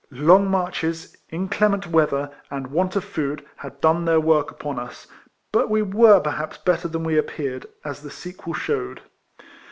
Long marches, inclement weather, and want of food, had done their work upon us; but we w^ere perhaps better than we appeared, as the sequel shewed.